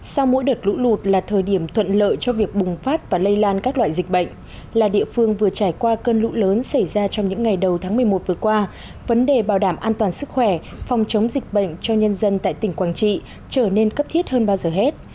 sau mỗi đợt lũ lụt là thời điểm thuận lợi cho việc bùng phát và lây lan các loại dịch bệnh là địa phương vừa trải qua cơn lũ lớn xảy ra trong những ngày đầu tháng một mươi một vừa qua vấn đề bảo đảm an toàn sức khỏe phòng chống dịch bệnh cho nhân dân tại tỉnh quảng trị trở nên cấp thiết hơn bao giờ hết